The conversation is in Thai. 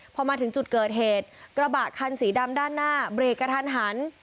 พอมาถึงจุดเกิดเหตุกระบะคันสีดำด้านหน้าเบรกกระทันหัน